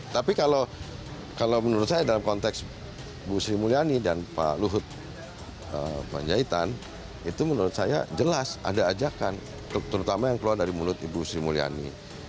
tapi kalau menurut saya dalam konteks bu sri mulyani dan pak luhut panjaitan itu menurut saya jelas ada ajakan terutama yang keluar dari mulut ibu sri mulyani